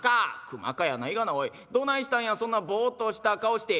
「熊かやないがなおいどないしたんやそんなぼっとした顔して」。